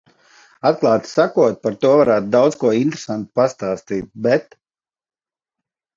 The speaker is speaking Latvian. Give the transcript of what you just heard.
Atklāti sakot, par to varētu daudz ko interesantu pastāstīt, bet...